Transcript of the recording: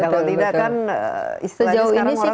kalau tidak kan istilahnya sekarang orang